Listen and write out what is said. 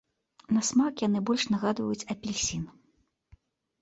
На смак яны больш нагадваюць апельсін.